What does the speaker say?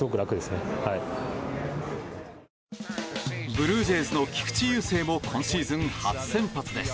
ブルージェイズの菊池雄星も今シーズン初先発です。